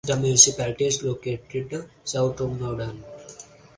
The municipality is located south of Moudon.